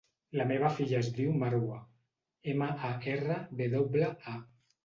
La meva filla es diu Marwa: ema, a, erra, ve doble, a.